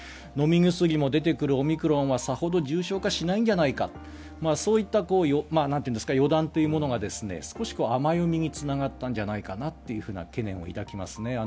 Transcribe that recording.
飲み薬も出てくるオミクロンはさほど重症化しないんじゃないかそういった予断というものが少し甘読みにつながったんじゃないかなという気がしますね。